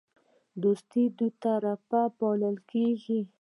دوستي دوطرفه پالل کیږي